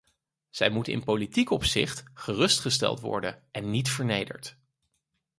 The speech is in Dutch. Zij moeten in politiek opzicht gerustgesteld worden en niet vernederd.